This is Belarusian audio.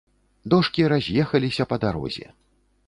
Дошкі раз'ехаліся па дарозе.